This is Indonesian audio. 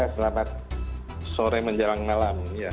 selamat sore menjelang malam